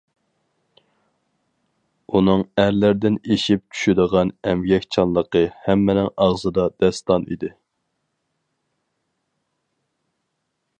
ئۇنىڭ ئەرلەردىن ئېشىپ چۈشىدىغان ئەمگەكچانلىقى ھەممىنىڭ ئاغزىدا داستان ئىدى.